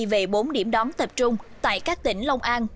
về bốn điểm đón tập trung tại các tỉnh long an